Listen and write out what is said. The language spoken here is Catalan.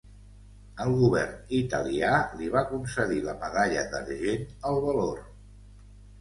El Govern italià li va concedir la Medalla d'Argent al Valor.